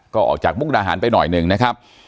ก็ออกจากมุกดาหารไปหน่อยหนึ่งนะครับ